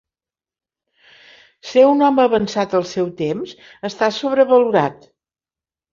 Ser un home avançat al seu temps està sobrevalorat.